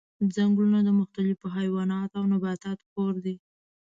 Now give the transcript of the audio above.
ځنګلونه د مختلفو حیواناتو او نباتاتو کور دي.